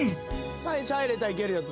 最初入れたらいけるよ